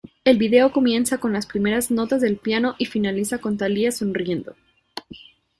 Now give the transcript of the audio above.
El vídeo comienza con las primeras notas del piano y finaliza con Thalia sonriendo.